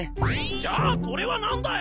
じゃあこれは何だよ！